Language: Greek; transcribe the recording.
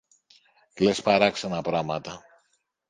Λες παράξενα πράματα!